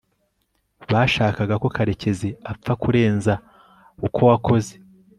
bashakaga ko karekezi apfa kurenza uko wakoze